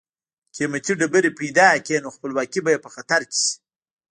قیمتي ډبرې پیدا کړي نو خپلواکي به یې په خطر کې شي.